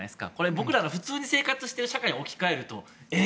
僕らが普通に生活している社会に置き換えると、えー！